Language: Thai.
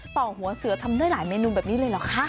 หัวเสือทำได้หลายเมนูแบบนี้เลยเหรอคะ